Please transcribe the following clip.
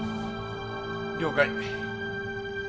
了解。